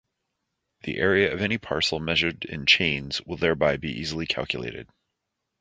The area of any parcel measured in chains will thereby be easily calculated.